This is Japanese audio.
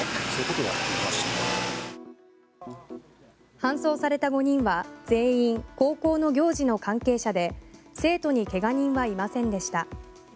搬送された５人は全員高校の行事の関係者で生徒に怪我人はいませんでした。